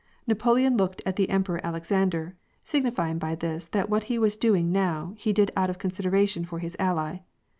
Napoleon looked at the Em peror Alexander, signifying by this that what he was doing now, he did out of consideration for his ally.